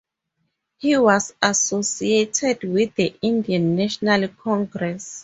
He was associated with the Indian National Congress.